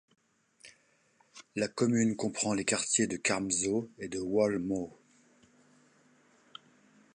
La commune comprend les quartiers de Carmzow et Wallmow.